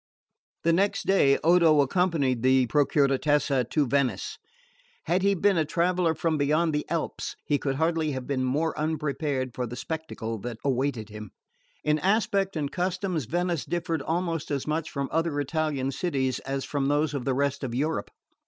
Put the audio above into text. The next day Odo accompanied the Procuratessa to Venice. Had he been a traveller from beyond the Alps he could hardly have been more unprepared for the spectacle that awaited him. In aspect and customs Venice differed almost as much from other Italian cities as from those of the rest of Europe.